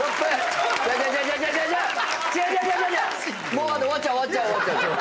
もう終わっちゃう終わっちゃう終わっちゃう。